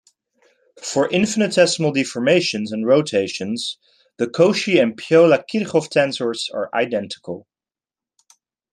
For infinitesimal deformations and rotations, the Cauchy and Piola-Kirchhoff tensors are identical.